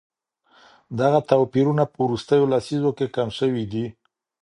دغه توپيرونه په وروستيو لسيزو کي کم سوي دي.